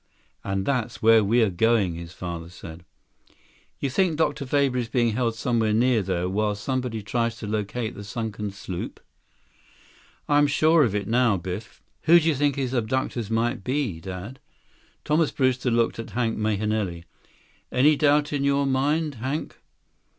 "And that's where we're going," his father said. "You think Dr. Weber is being held somewhere near there, while somebody tries to locate the sunken sloop?" "I'm sure of it now, Biff." "Who do you think his abductors might be, Dad?" Thomas Brewster looked at Hank Mahenili. "Any doubt in your mind, Hank?"